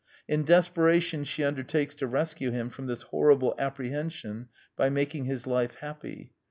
In desperation she undertakes to rescue him from this horrible apprehension by making his life happy.